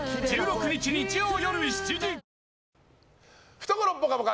懐ぽかぽか！